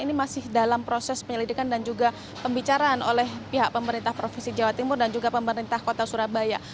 ini masih dalam proses penyelidikan dan juga pembicaraan oleh pihak pemerintah provinsi jawa timur dan juga pemerintah kota surabaya